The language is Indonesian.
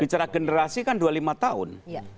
bicara generasi kan dua puluh lima tahun